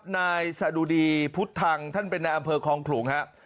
นายสะดุดีพุทธังท่านเป็นนายอำเภอคลองขลุงครับ